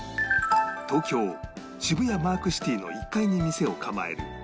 東京渋谷マークシティの１階に店を構える